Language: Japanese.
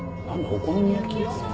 お好み焼き屋さん。